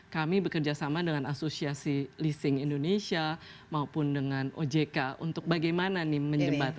kami bekerja sama dengan asosiasi leasing indonesia maupun dengan ojk untuk bagaimana nih menjembatannya